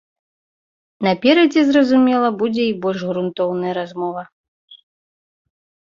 Наперадзе, зразумела, будзе і больш грунтоўная размова.